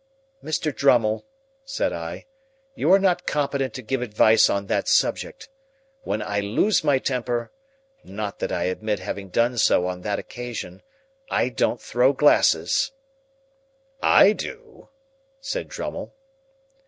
"Mr. Drummle," said I, "you are not competent to give advice on that subject. When I lose my temper (not that I admit having done so on that occasion), I don't throw glasses." "I do," said Drummle.